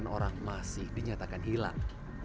tiga puluh sembilan orang masih dinyatakan hilang